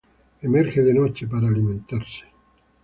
Emerge de noche para alimentarse.